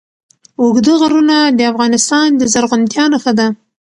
اوږده غرونه د افغانستان د زرغونتیا نښه ده.